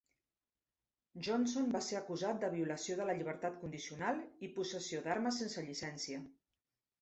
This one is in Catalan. Johnson va ser acusat de violació de la llibertat condicional i possessió d'armes sense llicència.